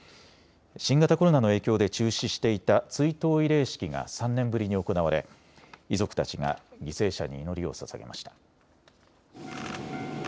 新型コロナの影響で中止していた追悼慰霊式が３年ぶりに行われ遺族たちが犠牲者に祈りをささげました。